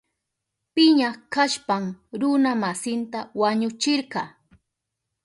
Piña kashpan runa masinta wañuchirka.